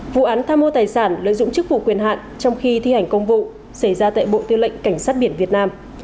vụ án tham mô tài sản lợi dụng chức vụ quyền hạn trong khi thi hành công vụ xảy ra tại bộ tư lệnh cảnh sát biển việt nam